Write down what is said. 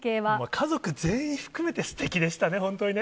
家族全員含めてすてきでしたね、本当にね。